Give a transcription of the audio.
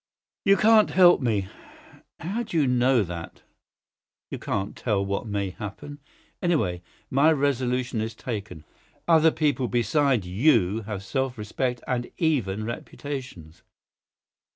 "You can't help me." "How do you know that? You can't tell what may happen. Anyway, my resolution is taken. Other people beside you have self respect and even reputations."